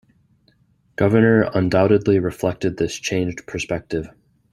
Governor undoubtedly reflected this changed perspective.